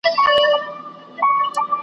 پر پردي قوت چي وکړي حسابونه .